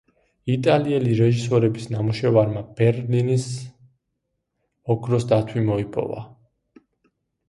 იტალიელი რეჟისორების ნამუშევარმა ბელრინის „ოქროს დათვი“ მოიპოვა.